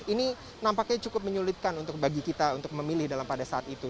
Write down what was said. ini nampaknya cukup menyulitkan bagi kita untuk memilih pada saat itu